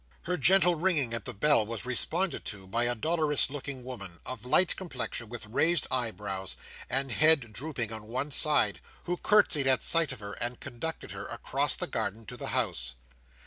Her gentle ringing at the bell was responded to by a dolorous looking woman, of light complexion, with raised eyebrows, and head drooping on one side, who curtseyed at sight of her, and conducted her across the garden to the house.